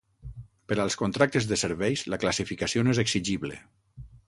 Per als contractes de serveis, la classificació no és exigible.